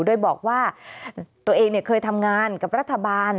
โดยบอกว่าตัวเองเคยทำงานกับรัฐบาล